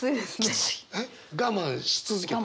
我慢し続けたの？